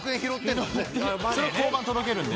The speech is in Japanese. それ交番届けるんで。